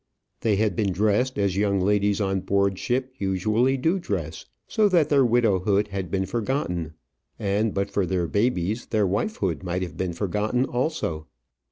They had been dressed as young ladies on board ship usually do dress, so that their widowhood had been forgotten; and, but for their babies, their wifehood might have been forgotten also.